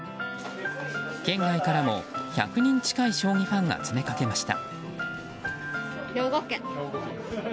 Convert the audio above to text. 県外からも１００人近い将棋ファンが詰めかけました。